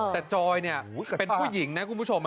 แต่จอยเนี่ยเป็นผู้หญิงนะคุณผู้ชม